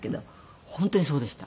本当にそうでした。